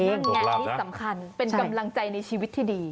นั่นไงที่สำคัญเป็นกำลังใจในชีวิตที่ดี